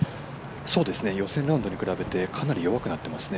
そうですね予選ラウンドに比べてかなり弱くなってますね。